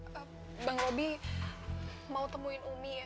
hai bang robby mau temuin umi ya